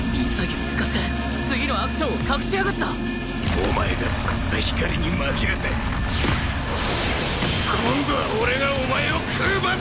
お前が作った光に紛れて今度は俺がお前を喰う番だ！